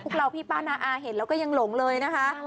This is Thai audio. เราพี่ป้านาอาเห็นแล้วก็ยังหลงเลยนะคะ